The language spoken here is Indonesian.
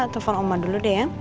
telepon oma dulu deh ya